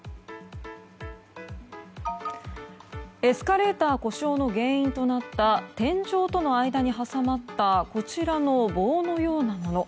エスカレーター故障の原因となった天井との間に挟まったこちらの棒のようなもの。